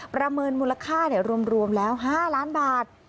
ประเมินมูลค่ารวมแล้ว๕ล้านบาท